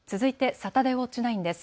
サタデーウオッチ９です。